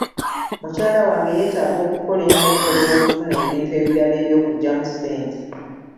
Mukyala wange yeetaaga okukola ennyo okusobola okufuna ebintu ebirala eby'okuggyamu ssente